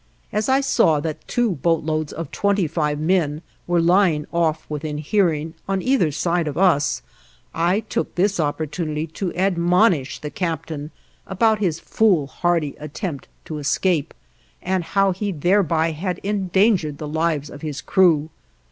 As I saw that the two boat loads of twenty five men were lying off within hearing, on either side of us, I took this opportunity to admonish the captain about his foolhardy attempt to escape, and how he thereby had endangered the lives of his crew.